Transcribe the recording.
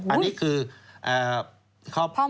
อันนี้คือ